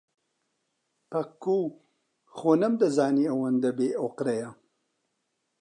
پەکوو، خۆ نەمدەزانی ئەوەندە بێئۆقرەیە.